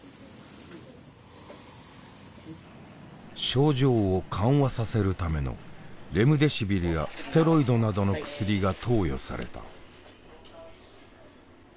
症状を緩和させるためのレムデシビルやステロイドなどの薬が投与された。